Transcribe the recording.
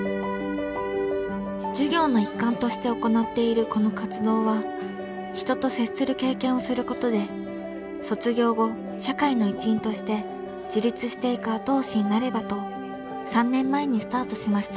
授業の一環として行っているこの活動は人と接する経験をすることで卒業後社会の一員として自立していく後押しになればと３年前にスタートしました。